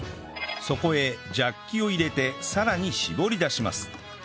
そこへジャッキを入れてさらに搾り出します